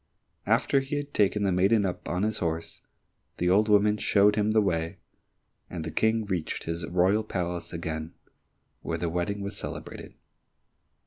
After he had taken the maiden up on his horse, the old woman showed him the way, and the King reached his royal palace again, where the wedding was celebrated.